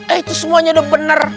eh itu semuanya udah benar